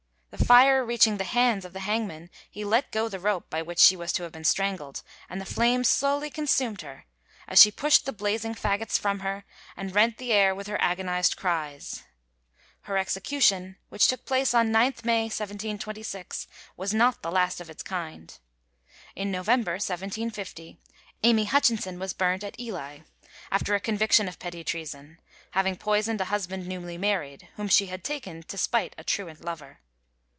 The fire reaching the hands of the hangman, he let go the rope by which she was to have been strangled, and the flames slowly consumed her, as she pushed the blazing fagots from her, and rent the air with her agonized cries. Her execution, which took place on 9th May, 1726, was not the last of its kind. In November, 1750, Amy Hutchinson was burnt at Ely, after a conviction of petty treason, having poisoned a husband newly married, whom she had taken to spite a truant lover.